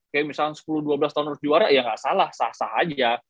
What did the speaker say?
kayak misalnya sepuluh dua belas tahun harus juara ya nggak salah sah sah aja